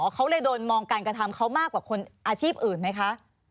เขาเลยโดนมองการกระทำเขามากกว่าคนอาชีพอื่นไหมคะ